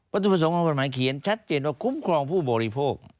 ตุประสงค์ของกฎหมายเขียนชัดเจนว่าคุ้มครองผู้บริโภค